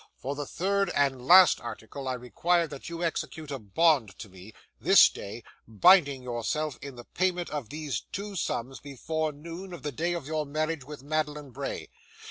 For the third and last article, I require that you execute a bond to me, this day, binding yourself in the payment of these two sums, before noon of the day of your marriage with Madeline Bray.